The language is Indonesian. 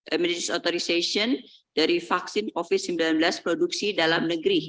emergency authorization dari vaksin covid sembilan belas produksi dalam negeri